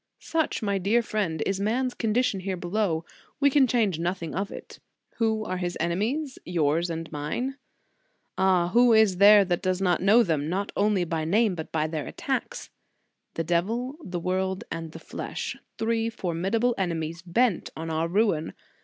Such, my dear friend, is man s condition here below; we can change nothing of it. Who are his enemies, yours, mine? Ah! who is there that does not know them, not only by name, but by their attacks? The devil, the world, and the flesh; three formi dable enemies, bent on our ruin.